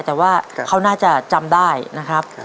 แต่ว่าเขาน่าจะจำได้นะครับ